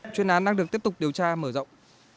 chuyên án đang được tiếp tục điều tra mở rộng